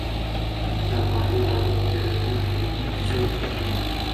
د افغاني غالیو پیرودونکي په هند کي څوک وو؟